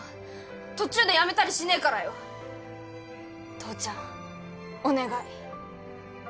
父ちゃんお願い。